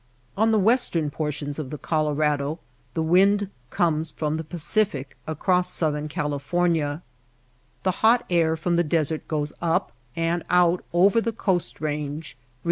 On the western portions of the Colorado the wind comes from the Pacific across Southern California. The hot air from the desert goes up and out over the Coast Range, reaching sea Desert winds. Radiation of heat.